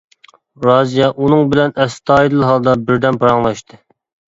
رازىيە ئۇنىڭ بىلەن ئەستايىدىل ھالدا بىردەم پاراڭلاشتى.